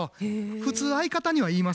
普通相方には言いますからね。